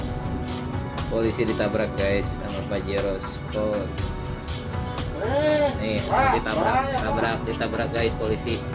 hai polisi ditabrak guys sama fajero sport ini ditabrak tabrak ditabrak guys polisi